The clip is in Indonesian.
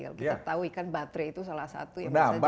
kalau kita tahu kan baterai itu salah satu yang bisa jadi